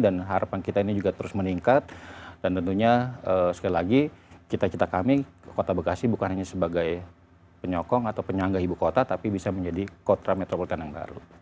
dan harapan kita ini juga terus meningkat dan tentunya sekali lagi kita kita kami kota bekasi bukan hanya sebagai penyokong atau penyangga ibu kota tapi bisa menjadi kotra metropolitkan yang baru